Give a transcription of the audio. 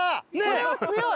これは強い。